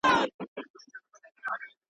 د توري ټپ جوړېږي، د ژبي ټپ نه جوړېږي.